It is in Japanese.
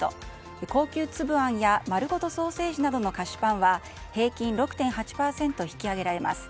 高級つぶあんやまるごとソーセージなどの菓子パンは平均６．８％引き上げられます。